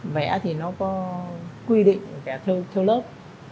vẽ thì nó có quy định vẽ theo lớp